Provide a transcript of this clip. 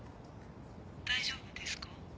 大丈夫ですか？